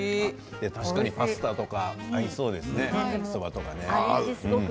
パスタとか合いそうですねそばとか。